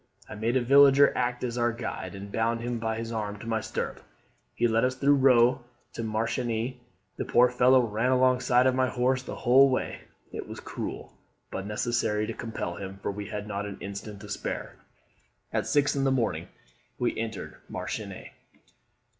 I made a villager act as our guide, and bound him by his arm to my stirrup. He led us through Roux to Marchiennes. The poor fellow ran alongside of my horse the whole way. It was cruel, but necessary to compel him, for we had not an instant to spare. At six in the morning we entered Marchiennes.